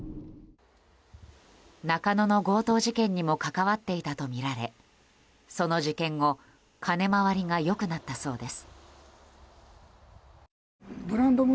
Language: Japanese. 中野の強盗事件にも関わっていたとみられその事件後金回りが良くなったそうです。